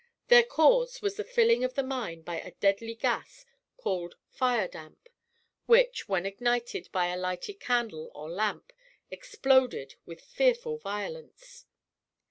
Their cause was the filling of the mine by a deadly gas, called "fire damp," which, when ignited by a lighted candle or lamp, exploded with fearful violence.